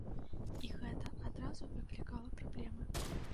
І гэта адразу выклікала праблемы.